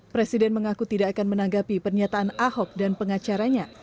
presiden mengaku tidak akan menanggapi pernyataan ahok dan pengacaranya